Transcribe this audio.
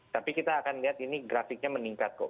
tapi kita akan lihat ini grafiknya meningkat kok